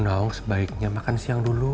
dong sebaiknya makan siang dulu